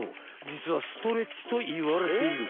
じつはストレッチといわれている。